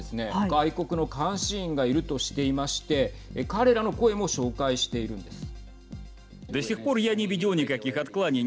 外国の監視員がいるとしていまして彼らの声も紹介しているんです。